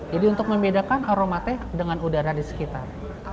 jadi untuk membedakan aromanya dengan udara di sekitar